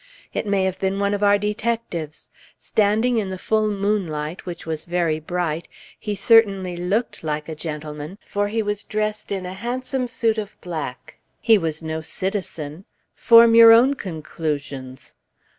It may have been one of our detectives. Standing in the full moonlight, which was very bright, he certainly looked like a gentleman, for he was dressed in a handsome suit of black. He was no citizen. Form your own conclusions!